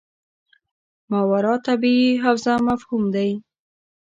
ماورا الطبیعي حوزه مفهوم دی.